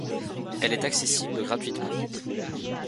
Elle est accessible gratuitement.